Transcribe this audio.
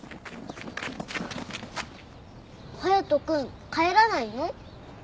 隼人君帰らないの？